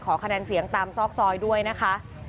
คะแนนเสียงตามซอกซอยด้วยนะคะ